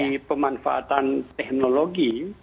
jadi pemanfaatan teknologi